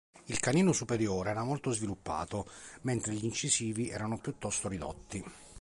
Il canino superiore era molto sviluppato, mentre gli incisivi erano piuttosto ridotti.